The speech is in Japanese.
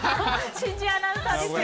新人アナウンサーですよ。